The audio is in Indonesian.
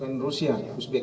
bukan rusia uzbek